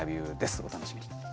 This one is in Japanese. お楽しみに。